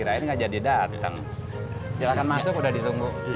tapi tadi katanya gak mau buka puasa